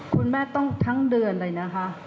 คุณแม่ต้องทั้งเดือนเลยนะคะ